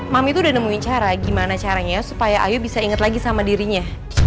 mami itu udah nemuin cara gimana caranya supaya ayu bisa ingat lagi sama dirinya